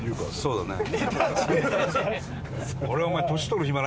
そうだね。